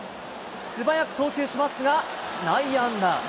素早く送球しますが、内野安打。